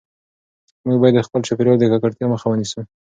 موږ باید د خپل چاپیریال د ککړتیا مخه ونیسو.